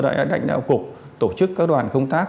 đại đại đạo cục tổ chức các đoàn công tác